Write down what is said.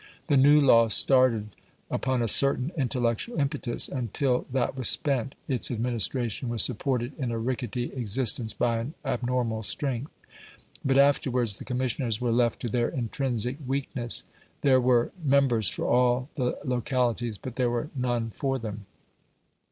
The new law started upon a certain intellectual impetus, and till that was spent its administration was supported in a rickety existence by an abnormal strength. But afterwards the Commissioners were left to their intrinsic weakness. There were members for all the localities, but there were none for them.